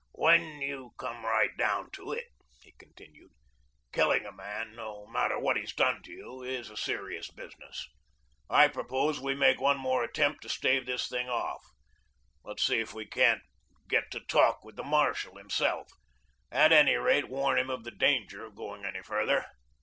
"When you come right down to it," he continued, "killing a man, no matter what he's done to you, is a serious business. I propose we make one more attempt to stave this thing off. Let's see if we can't get to talk with the marshal himself; at any rate, warn him of the danger of going any further.